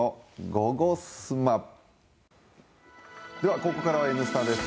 ここからは「Ｎスタ」です。